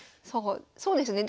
そうですね